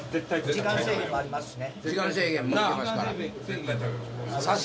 時間制限もありますしね。